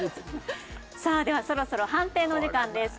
さあではそろそろ判定のお時間です。